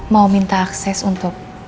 mau minta akses untuk